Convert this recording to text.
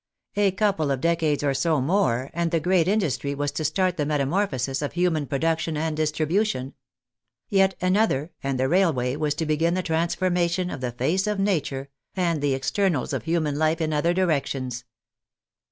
A couple of decades or so more and the great industry was to start the metamorphosis of human production and distribution; yet another, and the rail way was to begin the transformation of the face of nature and the externals of human life in other directions.